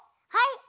はい。